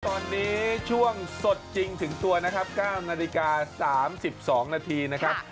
ตอนนี้ช่วงสดจริงถึงตัวนะครับ๙นาฬิกา๓๒นาทีนะครับ